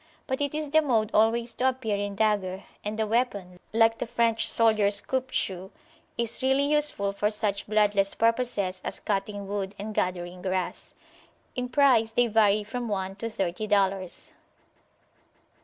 But it is the mode always to appear in dagger, and the weapon, like the French soldiers coupe choux, is really useful for such bloodless purposes as cutting wood and gathering grass. In price they vary from one to thirty dollars.